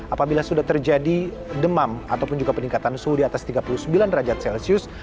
apabila sudah terjadi demam ataupun juga peningkatan suhu di atas tiga puluh sembilan derajat celcius